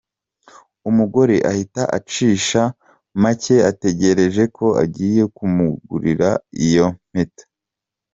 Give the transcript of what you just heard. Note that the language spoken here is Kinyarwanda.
Umugore ahita acisha make atekereje ko agiye kumugurira iyo mpeta.